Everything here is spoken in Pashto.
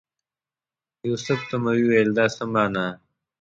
یوسف ته مې وویل دا څه مانا؟